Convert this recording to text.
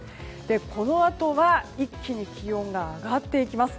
このあとは一気に気温が上がっていきます。